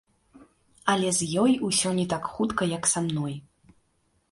Але з ёй усё не так хутка, як са мной.